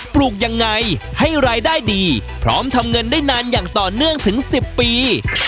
ปลูกยังไงให้รายได้ดีพร้อมทำเงินได้นานอย่างต่อเนื่องถึง๑๐ปี